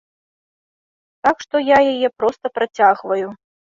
Так што я яе проста працягваю.